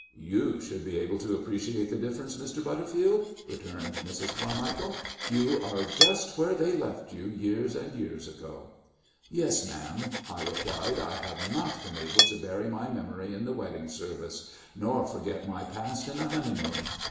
"You should be able to appreciate the difference, Mr. Butterfield," returned Mrs. Carmichael. "You are just where they left you years and years ago." "Yes, ma'am," I replied, "I have not been able to bury my memory in the wedding service, nor forget my past in a honeymoon.